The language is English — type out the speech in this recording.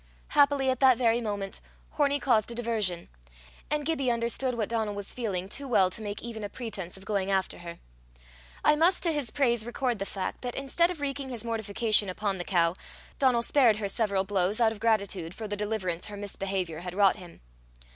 Happily at that very moment Hornie caused a diversion, and Gibbie understood what Donal was feeling too well to make even a pretence of going after her. I must, to his praise, record the fact that, instead of wreaking his mortification upon the cow, Donal spared her several blows out of gratitude for the deliverance her misbehaviour had wrought him.